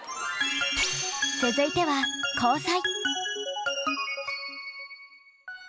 続いては交際。